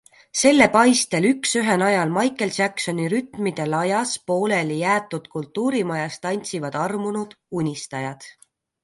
Selle paistel üksühe najal Michael Jacksoni rütmide lajas pooleli jäetud kultuurimajas tantsivad armunud, unistajad.